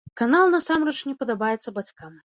Канал насамрэч не падабаецца бацькам.